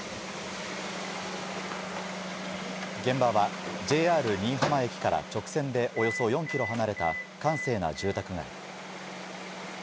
現場はＪＲ新居浜駅から直線でおよそ４ｋｍ離れた閑静な住宅街。